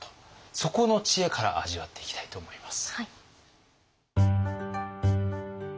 そこの知恵から味わっていきたいと思います。